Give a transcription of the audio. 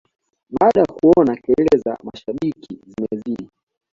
baada ya kuona kelele za mashabiki zimezidi